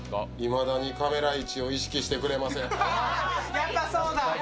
やっぱそうだ。